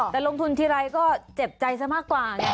แต่ลงทุนทีไรก็เจ็บใจซะมากกว่าไง